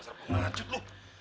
dasar pengalacut lo